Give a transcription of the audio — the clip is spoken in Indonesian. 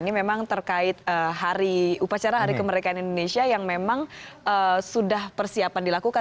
ini memang terkait upacara hari kemerdekaan indonesia yang memang sudah persiapan dilakukan